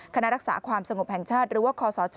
คณะรักษาความสงบแห่งชาติหรือว่าคศ